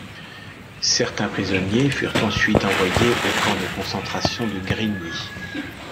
Certains prisonniers furent ensuite envoyés au Camp de concentration de Grini.